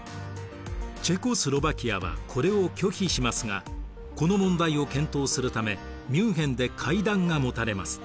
チェコスロヴァキアはこれを拒否しますがこの問題を検討するためミュンヘンで会談が持たれます。